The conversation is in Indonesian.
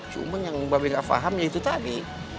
cuman yang babi gak pahamnya itu tadi